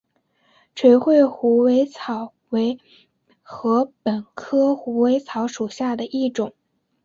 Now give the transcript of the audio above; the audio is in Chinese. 垂穗虎尾草为禾本科虎尾草属下的一个种。